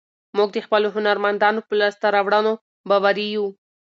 موږ د خپلو هنرمندانو په لاسته راوړنو باوري یو.